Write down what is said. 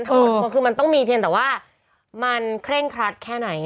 ได้ว่ามันเข้มมีเพียงแต่ว่ามันเคร่งครัดแค่ไหน